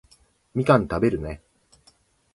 みかん食べるね